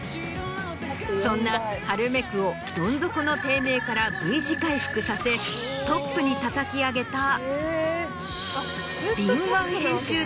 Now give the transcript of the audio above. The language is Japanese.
そんな『ハルメク』をどん底の低迷からＶ字回復させトップにたたき上げた。